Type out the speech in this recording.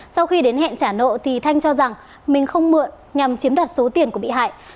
sau khi đến hẹn trả nợ thì thanh cho rằng mình không mượn nhằm chiếm đoạt số tiền của bị hại